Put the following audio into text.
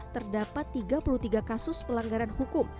terdapat tiga puluh tiga kasus pelanggaran hukum